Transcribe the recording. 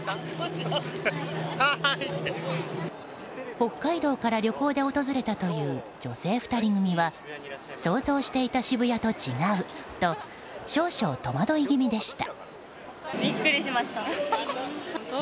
北海道から旅行で訪れたという女性２人組は想像していた渋谷と違うと少々戸惑い気味でした。